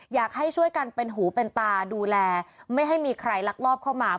อยากให้ช่วยกันเป็นหูเป็นตาดูแลไม่ให้มีใครลักลอบเข้ามา